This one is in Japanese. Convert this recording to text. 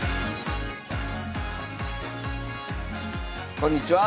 こんにちは。